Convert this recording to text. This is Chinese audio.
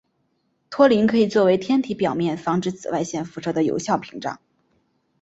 托林可以作为天体表面防止紫外线辐射的有效屏障。